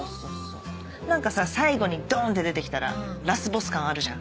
何かさ最後にドンって出てきたらラスボス感あるじゃん。